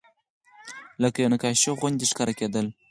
لکه یوه نقاشي غوندې ښکاره کېدل.